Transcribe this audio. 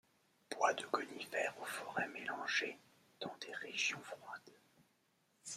Bois de conifères ou forêts mélangées dans des régions froides.